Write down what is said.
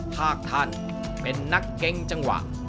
ถ้าท่านเป็นนักเกงจังหวะ